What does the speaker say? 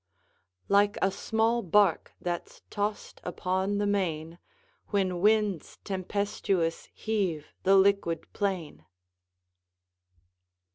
"Like a small bark that's tost upon the main. When winds tempestuous heave the liquid plain."